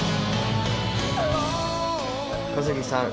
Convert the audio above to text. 小杉さん